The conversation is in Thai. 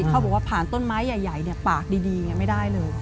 เขาบอกว่าผ่านต้นไม้ใหญ่ปากดีไม่ได้เลย